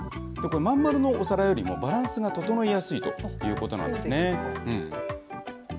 真ん丸のお皿よりもバランスが整いやすいということなんですね。